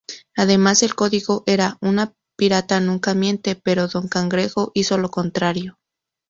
Además el código era "un pirata nunca miente", pero don cangrejo hizo lo contrario.